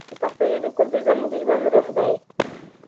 د پښتو ژبې کلتور زموږ د ژوند روح دی.